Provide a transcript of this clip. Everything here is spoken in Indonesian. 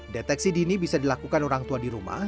deteksi dini bisa dilakukan orang tua di rumah